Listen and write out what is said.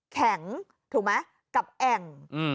แข็งกับแอ่ง